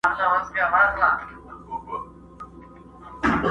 لا تر څو به دي قسمت په غشیو ولي!.